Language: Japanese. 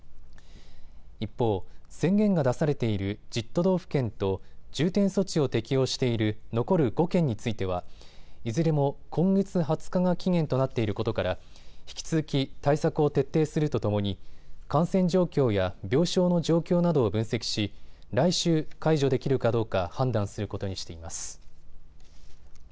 一方、宣言が出されている１０都道府県と重点措置を適用している残る５県についてはいずれも今月２０日が期限となっていることから引き続き対策を徹底するとともに感染状況や病床の状況などを分析し来週解除できるかどうか判断することにしています。